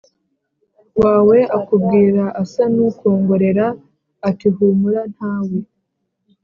Wawe akubwira asa n ukongorera ati humura nta we